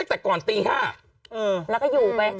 กล้องกว้างอย่างเดียว